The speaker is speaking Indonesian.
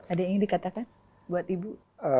ada yang ingin dikatakan buat ibu